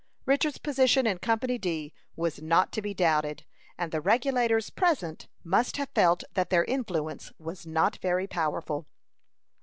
Richard's position in Company D was not to be doubted, and the Regulators present must have felt that their influence was not very powerful.